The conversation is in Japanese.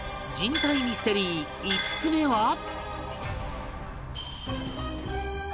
人体ミステリー５つ目は